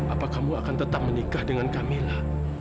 apa kamu akan tetap menikah dengan kamila